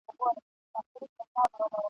د نري رنځ د ناروغی په اثر ..